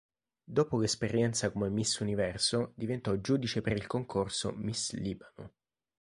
Dopo l'esperienza come Miss Universo diventò giudice per il concorso Miss Libano.